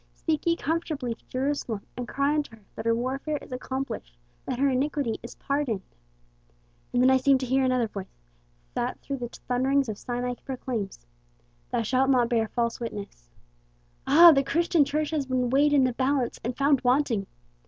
Speak ye comfortably to Jerusalem, and cry unto her that her warfare is accomplished, that her iniquity is pardoned.' And then I seem to hear another voice that through the thunderings of Sinai proclaims, 'Thou shalt not bear false witness.' Ah! the Christian Church has been weighed in the balance and found wanting.